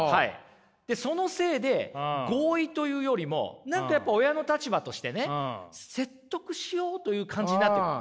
そのせいで合意というよりも何かやっぱ親の立場としてね説得しようという感じになっている。